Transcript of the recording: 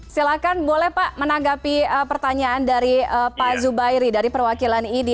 silahkan boleh pak menanggapi pertanyaan dari pak zubairi dari perwakilan idi